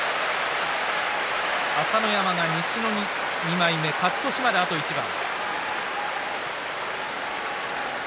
朝乃山は西の２枚目勝ち越しまであと一番。